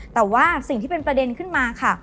แต่ว่าสิ่งที่เป็นประเด็นขึ้นมาค่ะ